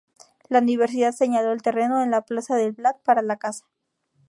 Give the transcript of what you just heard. La universidad señaló el terreno en la plaza del Blat para la casa.